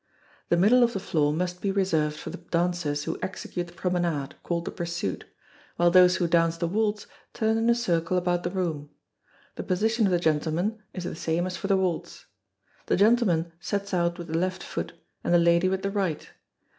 The middle of the floor must he reserved for the dancers who execute the promenade, called the pursuit, while those who dance the waltz turn in a circle about the room. The position of the gentleman is the same as for the waltz. The gentleman sets out with the left foot, and the lady with the right.